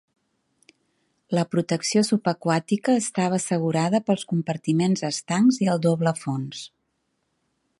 La protecció subaquàtica estava assegurada pels compartiments estancs i el doble fons.